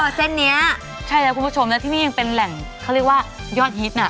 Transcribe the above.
เออเจนเนี้ยใช่แล้วคุณผู้ชมแล้วตัวนี้ยังเป็นแหล่งโยชน์ฮิตน่ะ